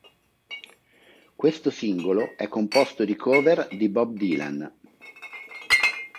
Questo singolo è composto di cover di Bob Dylan.